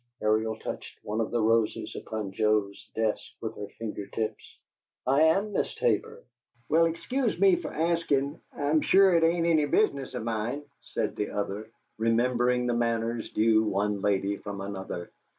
Ariel touched one of the roses upon Joe's desk with her finger tips. "I am Miss Tabor." "Well, excuse me fer asking; I'm sure it ain't any business of mine," said the other, remembering the manners due one lady from another.